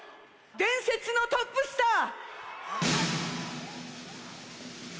伝説のトップスター！